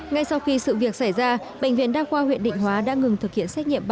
ngay sau khi sự việc xảy ra bệnh viện đa khoa huyện định hóa đã ngừng thực hiện xét nghiệm